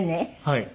はい。